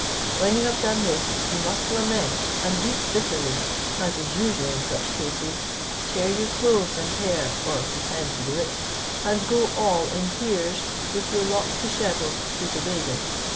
When you have done this, you must lament, and weep bitterly, as is usual in such cases, tear your clothes and hair, or pretend to do it, and go all in tears, with your locks dishevelled, to Zobeide.